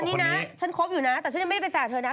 ตอนนี้นะฉันคบอยู่นะแต่จริงไม่ได้เป็นแฟนของเธอนะ